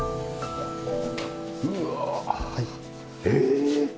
うわええ！